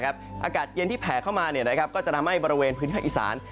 อากาศเย็นที่แผ่เข้ามาก็จะทำให้บริเวณพื้นที่ภาคอีสาน